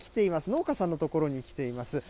農家さんの所に来ています。